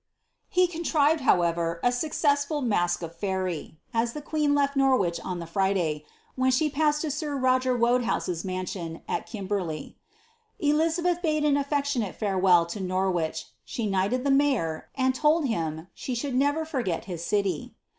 " He contrived, however, a successful "mask of faeirie,'' as llie queen left Norwich on the Friday, when she passed to sir Koger Wodc house'a mansion at Kiniberley. Elizabeth bade an alTeclionate farewell lo Nor .' wich ; she knighted the mayor, and told him '■ she should never forget his city."